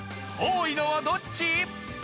多いのはどっち？